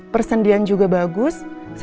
persendian juga bagus sepertinya juga baik baik saja